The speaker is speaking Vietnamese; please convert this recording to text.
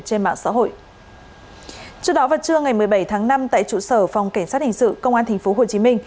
trước đó vào trưa ngày một mươi bảy tháng năm tại trụ sở phòng cảnh sát hình sự công an tp hcm